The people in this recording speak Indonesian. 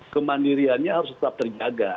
kemandiriannya harus tetap terjaga